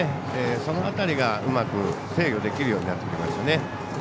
その辺りがうまく制御できるようになってきました。